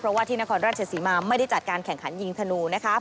เพราะว่าที่นครราชศรีมาไม่ได้จัดการแข่งขันยิงธนูนะคะ